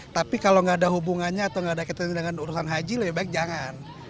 tapi kalau nggak ada hubungannya atau nggak ada ketentuan dengan urusan haji lebih baik jangan